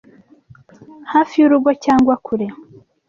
Hafi y'urugo cyangwa kure,